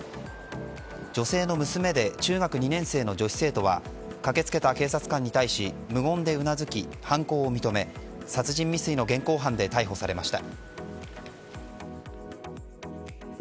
女性の娘で中学２年生の女子生徒は駆けつけた警察官に対し無言でうなずき犯行を認め殺人未遂の現行犯で逮捕されました。